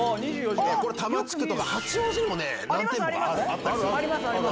これ、多摩地区とか、八王子にもね、何店舗かあるんですよ。